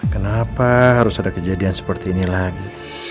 kenapa harus ada kejadian seperti ini lagi